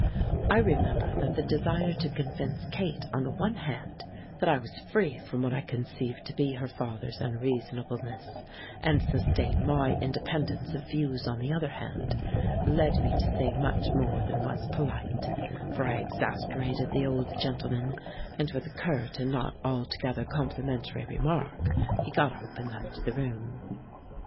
I remember that the desire to convince Kate on the one hand that I was free from what I conceived to be her father's unreasonableness, and sustain my independence of views on the other hand, led me to say much more than was polite, for I exasperated the old gentleman, and with a curt and not altogether complimentary remark he got up and left the room.